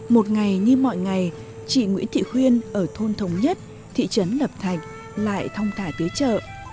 một ngày như mọi ngày chị nguyễn thị khuyên ở thôn thống nhất thị trấn lập thạch lại phong thả tới chợ